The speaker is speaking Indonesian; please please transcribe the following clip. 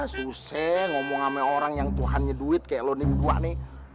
susah ngomong sama orang yang tuhannya duit kayak lo nimbuk nih